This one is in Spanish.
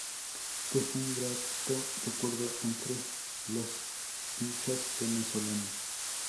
Dejó un grato recuerdo entre los hinchas venezolanos.